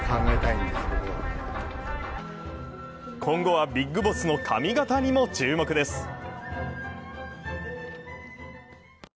今後はビッグボスの髪型にも注目です。